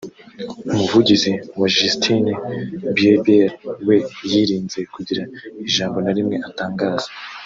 umuvugizi wa Justin Bieber we yirinze kugira ijambo na rimwe atangaza